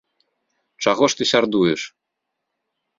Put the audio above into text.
Чаго ж ты сярдуеш?